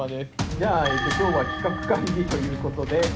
じゃあ今日は企画会議ということで。